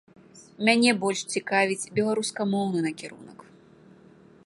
Мяне больш цікавіць беларускамоўны накірунак.